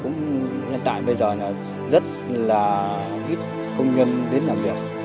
nhân tại bây giờ rất ít công nhân đến làm việc